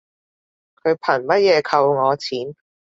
佢憑乜嘢扣我錢